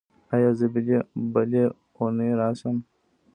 ایا زه بلې اونۍ راشم؟